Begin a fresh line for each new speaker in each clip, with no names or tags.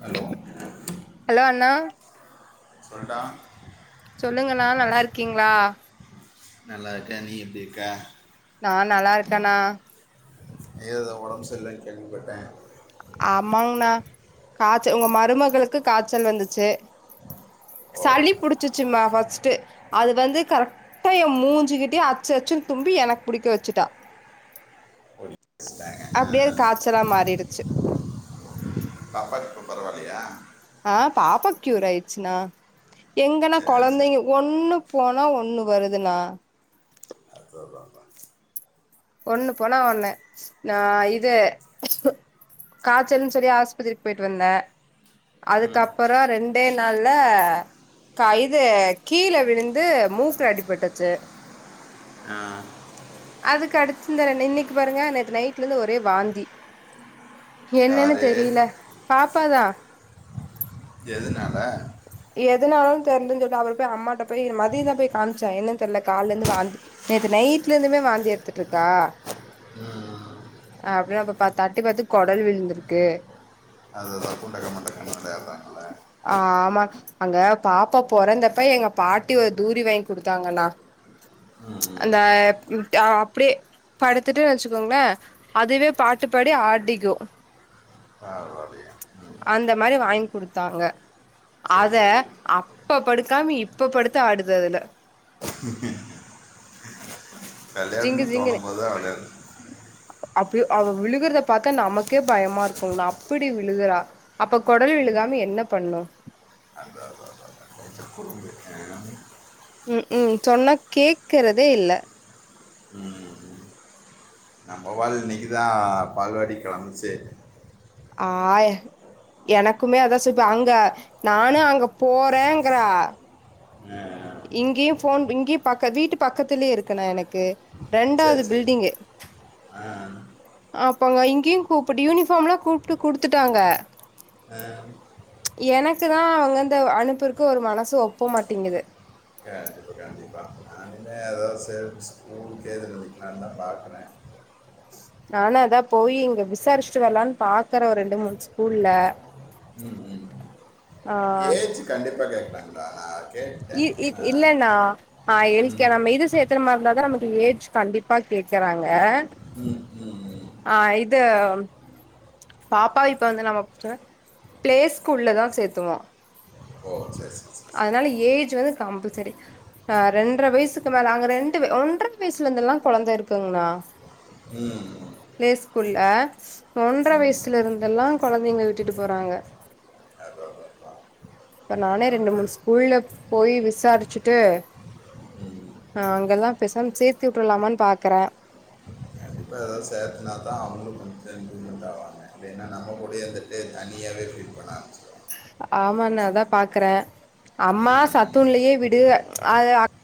Hello
hello அண்ணா
சொல்டா
சொல்லுங்கன்னா நல்லா இருக்கீங்களா
நல்லா இருக நீ எப்புடி இருக்க
ஆஹ் நல்லா இருகேண்ணா
ஏதோ உடம்பு சரிலனு கேள்விப்பட்ட
ஆமாங்ண்ணா காய்ச்ச உங்க மருமகளுக்கு காய்ச்சல் வந்துச்சு சளி புடிச்சிச்சும்மா ஃபஸ்ட் அது வந்து கரெக்டா என் மூஞ்சுகிட்டே அச்சு அச்சுன்னு தும்பி எனக்கு பிடிக்க வச்சுட்டா
பேசிட்டாங்க ஆ
அப்டியே அது
ஆ.
காய்ச்சலா மாறிடுச்சு
பாப்பா இப்போ பரவாயில்லையா
ஆஹ் பாப்பா க்யூர் ஆயிடுச்சுனா எங்கன்னா
சரி சரி
குழந்தைங்க ஒண்ணு போனா ஒண்ணு வருதுண்ணா
அதுதான்ப்பா
ஒண்ணு போனா ஒண்ணு நா இது காச்சல் சொல்லி ஆஸ்பத்திரிக் போயிட்டு வந்த அதுக்கப்ரோ ரெண்டே நாள்ல ஆ இது கீழ விழுந்து மூக்கு அடி பட்டுச்சு
ஆ
அதுக்கடுத் சுந்தர நின்னைக்கு பாருங்க நேத்து நைட்ல இருந்து ஒரே வாந்தி என்னன்னு
யாரு
தெரியலே பாப்பா த
எதுன ஆ
எதனாலே தெரியல சொல்லி அவர் போய் அம்மாட்ட போய் மதியந் தா போய் காமிச்ச என்னனு தெரில கால்ல இருந்து வாந்தி நேத்து நைட்ல இருந்துமே வாந்தி எடுத்துட்டு இருக்கா ஹே அப்படி பாப்பா தட்டி பாத்து குடல் விழுந்திருக்கு
அதுதான் குண்டக்க மண்டக்கன்னு விளையாடுறாங்கல்ல
ஆஹ் ஆமா அங்க பாப்பா பெறந்தப்ப எங்க பாட்டி ஒரு தூரி வாங்கி கொடுத்தாங்கண்ணா அந்த அ அப்புடியே படுத்துட்டு வச்சுக்கோங்களே அதுவே பாட்டு பாடி ஆட்டிக்கு
[unintelligible]
அந்த மாரி வாய்ங் குடுத்தாங்க
சரி
அத
சரி
அப்ப படுக் க்காமி இப்ப படுத்து ஆடுது அதுல
[inaudible]
ஜிங்கு
கல்யாண்ன்னு தோணும் போது [unintelligible]
அப்படியோ அவ விழுகுறத பார்த்தா நமக்கே பயமா இருக்குங் [unintelligible] நா அப்டி விழுகுறா அப்ப குடல் விழுகா மே என்ன பண்ணு
அந்த கொஞ்சம் குறும்பு ஆ.
ம் ம் சொன்ன கேக்குறதே இல்ல
நம்மவால் இன்னைக்கு தா பால்வாடி கிளம்புச்சு
ஆஹ எனக்குமே அதான் [unintelligible] அங்க நானு அங்க போறேங்கறா
ஆ.
இங்கேயு போன் இங்கேயு பக்க வீட்டு பக்கத்துலயே இருக்குனே எனக்கு ரெண்டாவது
சரி சரி
பில்டிங்கு
ஆ
அப்பங்க இங்கேயு கூப்பிட்டு யூனிபார்ம் எல்லா கூப்பிட்டு குடுத்துட்டாங்க
ஆ,
எனக்குதா அவங்க இந்த அனுப்புறக்கு ஒரு மனசு ஒப்ப மாட்டிங்குது
கண்டிப்பா [unintelligible] ஸ்கூல் [unintelligible] பாக்குனே
நானா அதா போய் இங்க விசாரிச்சுட்டு வரலான்னு பாக்குற ரெண்டு மூணு ஸ்கூல்லல
ம் ம்
ஆஹ்
ஏஜ் கண்டிப்பாக கேட்கலாங்கள ஆனால்
இ இ இல்லண்ணா ஆஹ் எல்க
ம்
நம்ம இது சேத்துற மாரிந்தாதா நம ஏஜ் கண்டிப்பா கேக்குறாங்க
ம் ம் ம்.
ஆஹ் இது பாப்பா இப்ப வந்து நம்ம பிளே ஸ்கூல்லுதா சேர்த்தவோ
ஓ சரி சரி சரி
அதனால
சரி
ஏஜ் வந்து கம்பல்சரி ஆஹ் ரெண்டரை வயசுக்கு மேல அங்க ரெண்டு ஒன்றரை வயசுல இருந்தெல்லா குழந்தை இருக்குங்கண்ணா
ம்
ப்ளே ஸ்கூல்ல ஒன்ற
ம்
வயசுல இருந்தெல்லா குழந்தைங்க விட்டுட்டு போறாங்க
அதான் அதான்,
இப்ப
அதான்
நானே
என்ன
ரெண்டு மூணு
பண்ணுறது
ஸ்கூல்ல போய் விசாரிச்சுட்டு
ம்
ஹ அங்கல்லாம் பேசாம சேர்த்து விட்டுருலாமான்னு பாக்குறேன்
கண்டிப்பாக எதது சேர்த்துனா தான் அவங்களும் கொஞ்சம் இப்ரூ்மெண்ட் ஆவாங்க இல்லைன்னா நம்ம கூடேந்துட்டு தனியாக ஃபீல் பண்ண ஆரம்பிச்சு [unintelligible]
ஆமா நா அதா பாக்ற அம்மா
ம்
சத்துன்லயே விடு அது அக்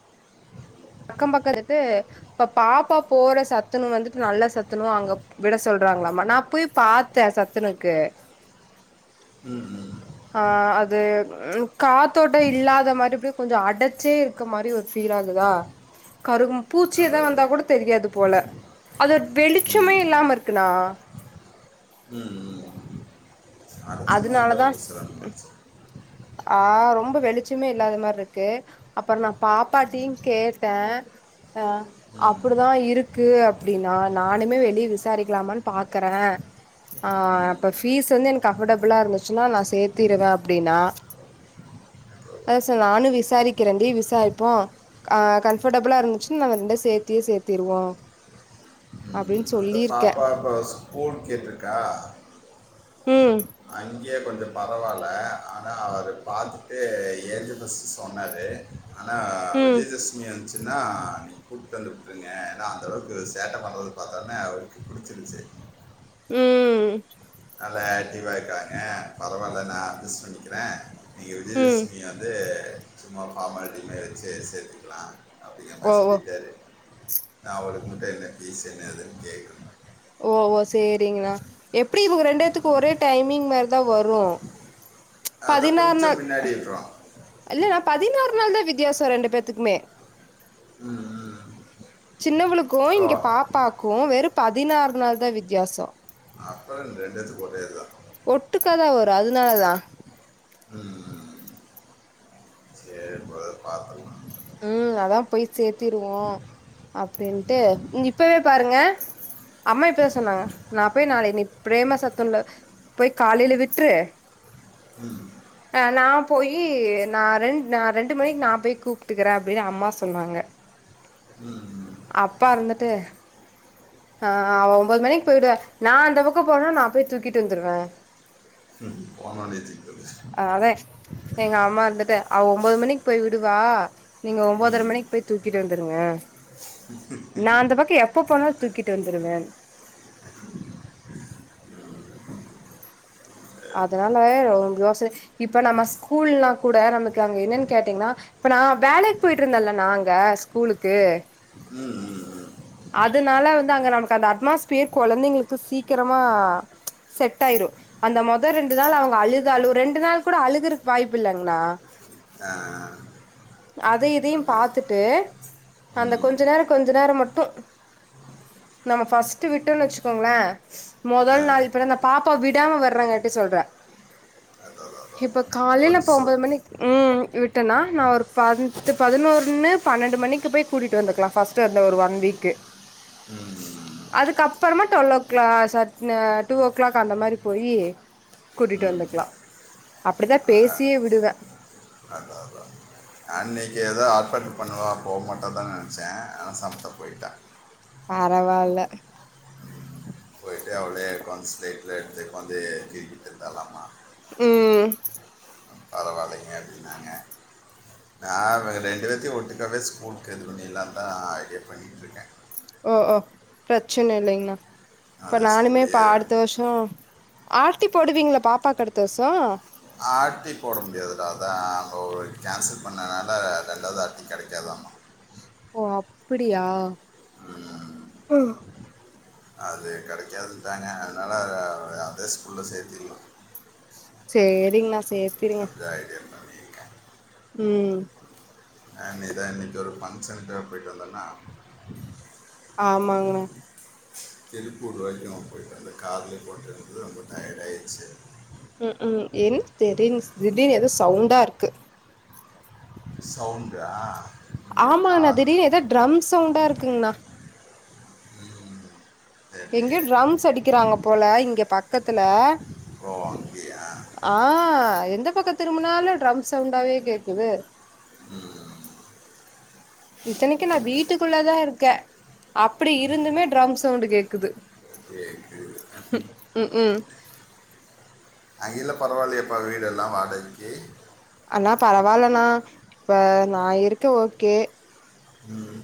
அக்கம் பக்கம் பக்கத்துட்டு இப்ப பாப்பா போற சத்துனு வந்துட்டு நல்ல சத்துனும அங்க விட சொல்றாங்களாமா நான் போய் பார்த்த சத்துனுக்கு ஆஹ் அது காத்தோட்டம் இல்லாத மாதிரிபப்படிய ஹ ஹ அது காத்தோட்ட இல்லாத மாரி அப்படி கொஞ்சம் அடைச்சே இருக்க மாரி ஒரு ஃபீல் ஆகுதா கரு
அதான்
பூச்சியதான் வந்தா
அதான்
கூட தெரியாது போல அது வெளிச்சமே
ம்
இல்லாம இருக்குண்ணா
அர்சனா இந்த
அதனாலதா
ஒருசரம்மாச்சே
ஆ ரொம்ப வெளிச்சமே இல்லாத மாரி இருக்கு அப்பறொ நா பாப்பாட்டியுங் கேட்ட அ அப்புடிதா இருக்கு அப்டின்னா நானுமே வெளிய விசாரிக்லாமான் பாக்குற ஆ அப்ப ஃபீஸ் வந்து எனக்கு அஃபடபுளா இருந்துச்சுன்னா நா சேத்திருவ அப்டின்னா அத
அவ்வளோதான்
சார் நானு விசாரிக்கிறண்டி விசாரிப்போ அ கன்ஃபர்டபுளா இருந்துச்சுன் நாங்க ரெண்ட சேத்தியே சேத்திருவோ அப்டின்
ம், பாப்பா இப்ப ஸ்கூல் கேட்ருக்கா
ம்
அங்கயே கொஞ்சொ பரவால்ல ஆனா அவரு பாத்துட்டு ஏட்ஜனஸு சொன்னாரு ஆனா
ம்
விஜய தசமி அன் நா அன்னக்கி கூப்ட்டு வந்துருப்பங்க ஏன்னா அந்தளவுக்கு சேட்ட பண்றது பாத்தோனே அவருக்கு புடிச்சிருச்சு
ம்
நல்லா ஆக்டிவா இருக்காங்க பரவால்ல நா அட்ஜஸ் பண்ணிக்கிற நீங்க
ம்
விஜயதசமி வந்து சும்மா ஃபார்மாலிட்டி மேரி வச்சி சேத்துக்கலா அப்படிங்கற
ஓ
மாரி
ஓ
சொல்லிட்டாரு நா ஒட [unintelligible] என்ன ஃபீஸ் என்ன ஏதுன் கேக்கணு
ஓ ஓ செரிங்கணா எப்டியு இவங்க ரெண்டு பேத்துக்கு ஒரே டைமிங் மாரிதா வரு
அதா கொஞ்சொ முன்னாடி விட்ருவா
ல ணா பதினாறு நாள் தா வித்தியாசொ ரெண்டு பேத்துக்குமே
ம் ம்.
சின்னவளுக் கு
ஓ
இங்க பாப்பா கு வெறு பதினாறு நாள் தா வித்தியாசொ
அப்புறம் ரெண்டுத்துக்கு ஒரே இதுதான்
ஒட்டுக்காதா வரு அதுனாலதா
ம் ம். சரி பிரதர் பார்த்துக்கலாம்
உம் அதா போய் சேத்திருவோ அப்டின்ட்டு இப்பவே பாருங்க அம்மா இப்பதா சொன்னாங்க நா போய் நாள இன்ன ப்ரேம சத்தம்ல போய் காலையில விட்ரு அ நா போயி நா ரெண் நா ரெண்டு மணிக்கு நா போய் கூப் ட்டுக்குற அப்டின் அம்மா சொன்னாங்க
ம்
அப்பா இருந்துட்டு ஆ அவ ஒம்போது மணிக் போயிடுவ நா அந்த பக்கொ போனனா நா போய் தூக்கிட்டு வந்துருவ
போனோ நேத்தி
அதே எங்க அம்மா இருந்துட்டு அவ ஒம்போது மணிக்கு போய் விடுவா நீங்க ஒன்பதர மணிக்கு போய் தூக்கிட்டு வந்துருங்க நா அந்த பக்கொ எப்ப போனாலு தூக்கிட்டு வந்துருவே அதனால ரொம் யோசன இப்ப நம்ம ஸ்கூல்லாங் கூட நமக்கு அங்க என்னன் கேட்டீங்னா இப்ப நா வேலைக் போயிட்ருந்தன்ல நா அங்க ஸ்கூலுக்கு
ம் ம் ம்.
அதுனால வந்து அங்க நமக்கு அந்த அட்மாஸ்ஃபியர் கொழந்தைங்களுக்கு சீக்கிரமா செட் ஆயிரு அந்த மொத ரெண்டு நாள் அவங்க அழுதாலோ ரெண்டு நாள் கூட அழுகுறக் வாய்ப்பில்லங்ணா
ஆ
அதை இதையும்
அதுதான்
பாத்துட்டு அந்த
ம்
கொஞ்ச நேரொ கொஞ்ச நேரம் மட்டு நம்ம ஃபஸ்ட்டு விட்டோன்னு வச்சுக்கோங்களே
ஆ,
மொதல் நாள் இப்ப அந்த பாப்பா விடாம வர்றங்காட்டி சொல்றே
அதான் அதான்
இப்போ காலையில
கொஞ்சம்
இப்போ ஒம்போது
சிரமம்
மணிக் ம் போய் விட்டன்னா நா ஒரு பந்த்து பதினொருன்னு பன்னெண்டு மணிக்கு போய் கூட்டிட்டு வந்துக்லா ஃபஸ்ட்டு அந்த ஒரு ஒன் வீக்கு
ம்
அதுக்கப்பறமா டுவெல் ஓ க்ளாக் ச ஆ டூ ஓ க்ளாக் அந்த மாரி போயி
ம்.
கூட்டிட்டு
ம்
வந்துக்லா அப்டிதா பேசியே விடுவ
அன்னக்கி ஏதோ ஆர்ப்பாட்டம் பண்ணுவா போ மாட்டான்தா நெனச்ச ஆனா சமத்தா போயிட்டா
பரவால்ல
டு அவளே உக்காந்து ஸ்லே ஒரே எடத்லே உக்காந்து கிருக்கிட்ருந்தாலாமா
உம்
நா இவங்க ரெண்டு பேத்தையு ஒட்டுக்காவே ஸ்கூலுக்கு இது பண்ணில்லான் தா ஐடியா பண்ணிட்ருக்க
ஓ அப் ப்ரச்சன இல்லைங்ணா இப்ப
அது
நானுமே இப்ப
ஸ்கூல்லையே
அடுத்த வர்ஷொ ஆர் டி போடுவீங்கலா பாப்பாக்கு அடுத்த வர்ஷோ
ஆர் டி போட முடியதுடா அதா அங்க ஒரு [unintelligible] பண்ணனால ரெண்டாது ஆர் டி கெடைக்கு கேதமா
ஓ அப்டியா
ம்,
ஓ
அது கெடைக்காதுன்தாங்க அதனால அ அதே ஸ்கூல்ல சேத்தக்கலா
செரிங்ண்ணா சேத்
[unintelligible]
ம்
அன்னைக்கு ஒரு ஃபங்க்ஷனுக்கு போயிட்டு வந்தேன்னா
ஆமாங்ண்ண
திருப்பூர் வரைக்கு நாம போய்ட்டு வந்தா காதுல போட்டிருந்த [unintelligible] டயர்டாய்டுச்சு [inaudible]
உம் உஹ் என் தெரின்சு திடீர்னு எதோ சவுண்டா இருக்கு
சவுண்டு ஆ
ஆமாண்ண திடிர்னு ஏத ட்ரம் சவுண்டா இருக் திங்னா
ம், தெரியலையே
எங்கேயு ட்ரம்ஸ் அடிக்குறாங்க போல இங்க பக்கத்துல
ஓ அங்கேயா
ஆ எந்த பக்க திரும்புனாலு ட்ரம்ஸ் சவுண்டாவே கேக்குது
ம்
இத்தனைக்கு நா வீட்டுக்குள்ளதா இருக்கே அப்டி இருந்துமே ட்ரம் சவுண்டு கேக்குது
கேட்குது
உம் உம்
அங்கேல பரவாயில்லயாப்பா வீடெல்லா வாடகைக்கு
அண்ணா பரவால்லண்ணா இப்ப நா இருக்க ஓகே
ம்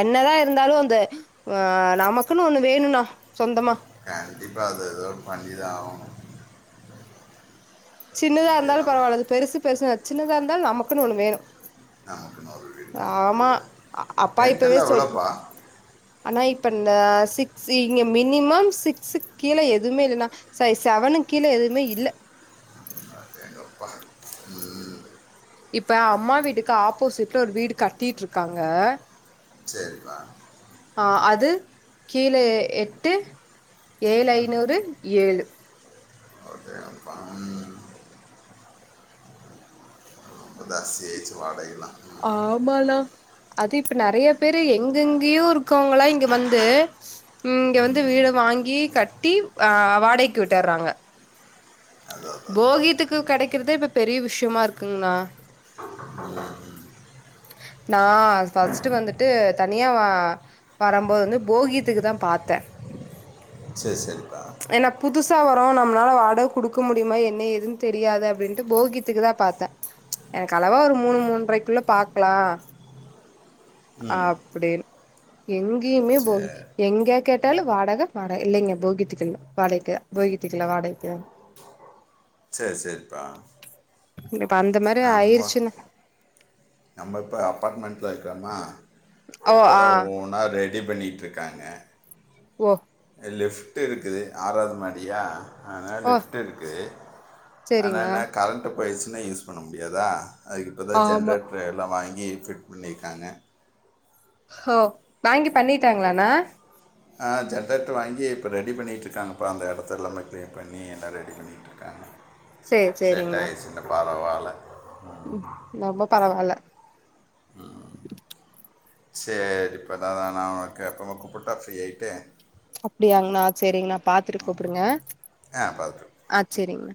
என்னதா இருந்தாலு அந்த ஆ நமக்குன்னு ஒண்ணு வேணும்னா சொந்தமா
கண்டிப்பா அத எதோ பண்ணிதா ஆகணு
சின்னதா இருந்தாளு பரவால்ல அது பெருசு பெருசுனு சின்னதா இருந்தாலு நமக்குன்னு ஒண்ணு வேணு
நமக்குன்னு ஒரு வீடு கண்டிப்பாக
ஆமா
வேணும்
அப்பா இப்பவே
ரெண்டெல்லாம்
சொல்
எவ்வளோப்பா
அண்ணா இப்ப இந்த சிக்ஸ் இங்க மினிமம் சிக்ஸு கீழ எதுமே இல்லனா சை சவன்னு கீழ எதுமே இல்ல
எங்கப்பா ம்
இப்ப அம்மா வீட்டுக்கு ஆப்போசிட்ல ஒரு வீடு கட்டிட்டிட்ருக்காங்க
சரிப்பா
ஆ அது கீழ எட்டு ஏழு ஐநூறு ஏழு
ஓகேப்பா ம் ஏச்சு வாடகைல்லா
ஆமாணா அது இப்ப நெறையா பேரு எங்கெங்கயோ இருக்கவங்களா இங்க வந்து ம் இங்க வந்து வீடு வாங்கி கட்டி ஆ வாடைக்கு விட்டர்றாங்க
அதான் அதான் அதான்
போகித்துக்கு கெடக்கிறதே இப்ப பெரிய விஷயமா இருக்குங்ண்ணா நா ஃபர்ஸ்ட் வந்துட்டு தனியா வா வரும்போது வந்து போகித்துக்குதா பாத்தே
சரி சரி
ஏனா புதுசா வறோ நம்மளால வாடக குடுக்க முடியுமா என்ன ஏதுன்னு தெரியாது அப்டின்ட்டு போகித்துக்கு தா பாத்தே எனக்கு அளவா ஒரு மூணு மூன்றைக்குள்ள பாக்லா அப்டின் எங் கேயுமே போகி
சரி
எங்க கேட்டாலு வாடக வாட இல்லைங்க போகித்துக்கு இல்ல வாடைக்கு போகித்துக்கு இல்ல வாடகைக்கு
செரி செரிப்பா
இப்ப அந்த மாரி ஆயிருச்சுங்க
பர்மண்ட் லேக்குறமா
ஓ
இப்பதா
ஆ
ஓனா ரேட் ரெடி பண்ணிட்ருக்காங்க
ஓ
லிஃப்ட்டு இருக்குது ஆறாது மாடியா ஆன
ஓ
லிஃப்ட்டு இருக்குது ஆனா
செரிங்கண்ணா
என்ன கரண்ட்டு போயிருச்சுன்னா யூஸ் பண்ண முடியாதா அதுக்கு இப்ப தா
ஆமா
ஜென்ரேட் எல்லா வாங்கி இ ஃபிட் பண்ணிருக்காங்க
ஹ வாங்கி பண்ணிட்டாங்களானா
ஆ ஜென்ரேட்டர் வாங்கி இப்ப ரெடி பண்ணிட்டுருக்காங்கப்பா அந்த எடத்த எல்லாமே க்ளீன் பண்ணி எல்லா ரெடி பண்ணிட்டுருக்காங்க
சேரி சேரிங்ண்ணா
செட்டாயிருச்சுன்னா வார வார [unintelligible]
ரொம்ப பரவால்ல
செர்ரி பா ந நா உனக்கு அப்பறமா கூப்புட்டா ஃப்ரீ ஆய்ட்டு
அப்டியாங்ண்ணா செரிண்ணா பாத்துட்டு கூப்டுங்க
ஆ பார்த்துட்டு
அ செரிங்ணா